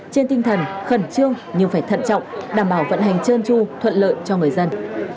trên tinh thần khẩn trương nhưng phải thận trọng đảm bảo vận hành trơn tru thuận lợi cho người dân